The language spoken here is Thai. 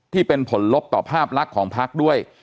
ที่เป็นผลลบต่อภาพลักษณ์ของพักด้วย